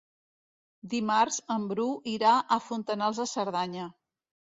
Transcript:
Dimarts en Bru irà a Fontanals de Cerdanya.